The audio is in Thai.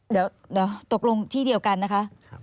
เดี๋ยวตกลงที่เดียวกันนะคะ